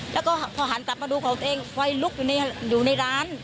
แล้วก็พอหันกลับมาดูของตัวเองไฟลุกอยู่ในร้าน